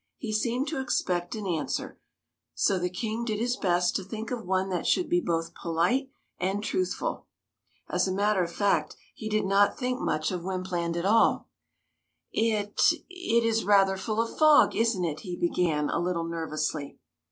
He seemed to expect an answer, so the King did his best to think of one that should be both polite and truthful. As a matter of fact, he did not think much of Wympland at all. "It — it is rather full of fog, isn't it?'' he began, a little nervously.